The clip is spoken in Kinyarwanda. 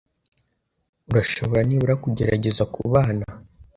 urashobora nibura kugerageza kubana?